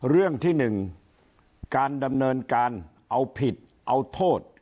เรื่องที่๑การดำเนินการเอาผิดเอาโทษ